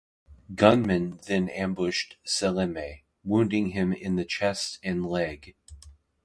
Gunmen then ambushed Salemme, wounding him in the chest and leg.